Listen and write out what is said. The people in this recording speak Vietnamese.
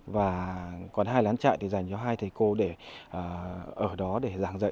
và còn hai lán trại thì dành cho hai thầy cô để ở đó để giảng dạy